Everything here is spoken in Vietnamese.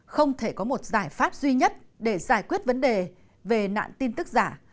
không thể có một giải pháp duy nhất để giải quyết vấn đề về nạn tin tức giả